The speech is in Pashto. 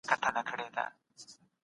فارابي د چاپیریال په اغیز ډېر باور درلود.